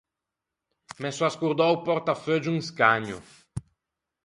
Me son ascordou o portafeuggio in scagno.